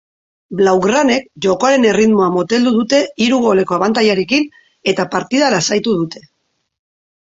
Blaugranek jokoaren erritmoa moteldu dute hiru goleko abantailarekin eta partida lasaitu dute.